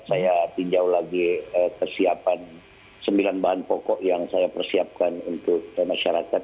saya tinjau lagi kesiapan sembilan bahan pokok yang saya persiapkan untuk masyarakat